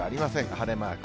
晴れマーク。